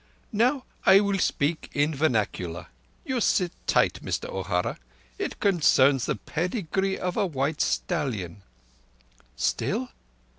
"Now I will speak vernacular. You sit tight, Mister O'Hara ... It concerns the pedigree of a white stallion." "Still?